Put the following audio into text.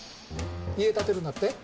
家建てるんだって？